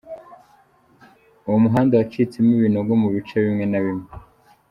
Uwo muhanda wacitsemo ibinogo mu bice bimwe na bimwe.